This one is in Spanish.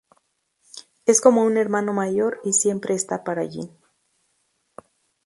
Es como un hermano mayor y siempre esta para Gin.